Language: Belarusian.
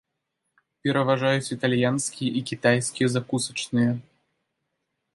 Пераважаюць італьянскія і кітайскія закусачныя.